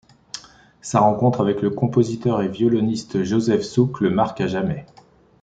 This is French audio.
Sa rencontre avec le compositeur et violoniste Josef Suk le marque à jamais.